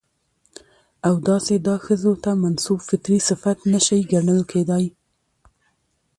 او داسې دا ښځو ته منسوب فطري صفت نه شى ګڼل کېداى.